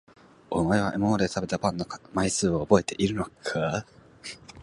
お前は今まで食べたパンの枚数を覚えているのか？